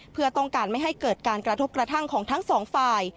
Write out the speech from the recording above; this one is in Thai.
เพื่อต้องการไม่ให้เกิดการกระทบกระทั่งของทั้งสองฝ่าย